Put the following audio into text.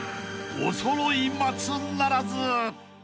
おそろい松ならず］